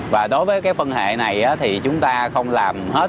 và đối với cái phân hệ này thì chúng ta không làm hết